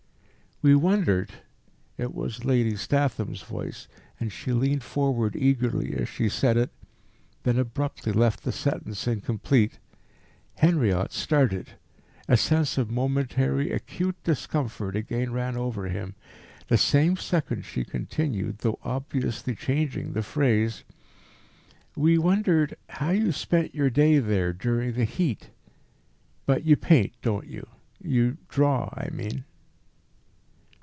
"We wondered " It was Lady Statham's voice, and she leaned forward eagerly as she said it, then abruptly left the sentence incomplete. Henriot started; a sense of momentary acute discomfort again ran over him. The same second she continued, though obviously changing the phrase "we wondered how you spent your day there, during the heat. But you paint, don't you? You draw, I mean?"